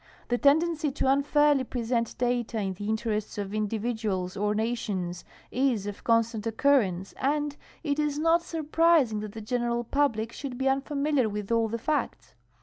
Tlie tendency to unfairly present data in the interests of indi viduals or nations is of con.stant occurrence, and it is not sur prising that the general pnlhic should l)e unfamiliar with all the hicts.